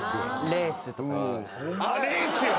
レース！